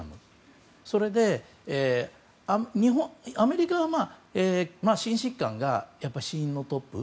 そして、アメリカは心疾患が死因のトップ。